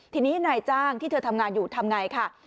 ทีนี้นายจ้างที่เธอทำงานอยู่ทำไงค่ะ